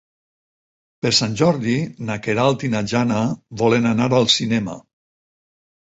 Per Sant Jordi na Queralt i na Jana volen anar al cinema.